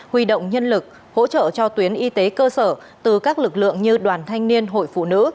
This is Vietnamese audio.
huy động nhân lực hỗ trợ cho tuyến y tế cơ sở từ các lực lượng như đoàn thanh niên hội phụ nữ